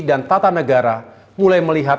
dan tata negara mulai melihat